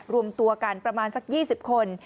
รวมตัวกันประมาณสัก๒๐คน